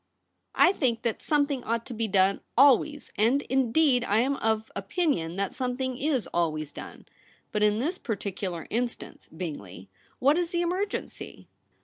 * I think that something ought to be done always ; and, indeed, I am of opinion that something is always done. But in this par ticular instance, Bingley, what is the emer gency